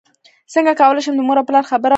څنګه کولی شم د مور او پلار خبره ومنم